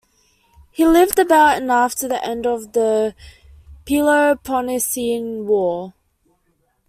He lived about and after the end of the Peloponnesian war.